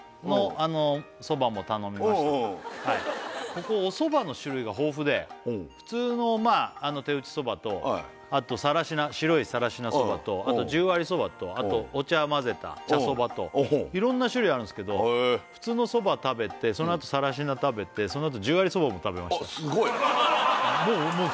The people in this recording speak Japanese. ここおそばの種類が豊富でうん普通の手打そばとあとさらしな白いさらしなそばとあと十割そばとあとお茶混ぜた茶そばといろんな種類あるんですけど普通のそば食べてそのあとさらしな食べてそのあと十割そばも食べましたあっ